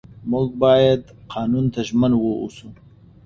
موږ باید قانون ته ژمن واوسو